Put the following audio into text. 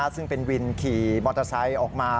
ซึ่งเป็นวินขี่มอเตอร์ไซค์ออกมา